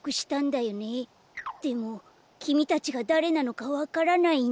でもきみたちがだれなのかわからないんだ。